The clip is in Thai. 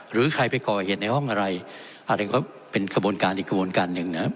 หรือใครไปก่อเหตุในห้องอะไรอะไรก็เป็นกระบวนการอีกกระบวนการหนึ่งนะครับ